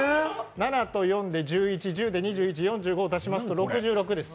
７と４で１１、４５を足しますと６６です。